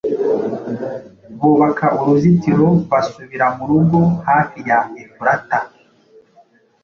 Bubaka uruzitiro basubira murugo hafi ya Efurate